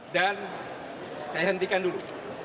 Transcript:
dan saya hentikan dulu